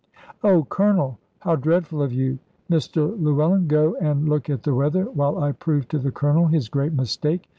"Oh, Colonel, how dreadful of you! Mr Llewellyn, go and look at the weather, while I prove to the Colonel his great mistake.